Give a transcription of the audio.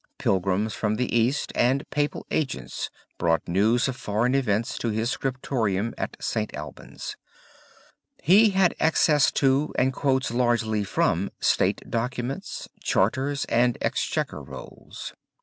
Pilgrims from the East and Papal agents brought news of foreign events to his scriptorium at St. Albans. He had access to and quotes largely from state documents, charters, and exchequer rolls.